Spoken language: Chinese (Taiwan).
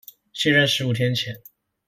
卸任十五天前